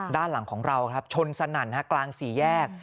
ด้านหลังของเราครับชนสนั่นกลางสี่แยก